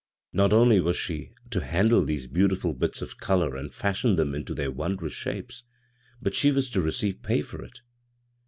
Not only was she to handle these beautihil bits of color and fashion them into their wondrous shapes, but she was to recave pay for it.